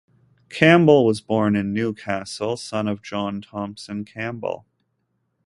Campbell was born in Newcastle son of John Thompson Campbell.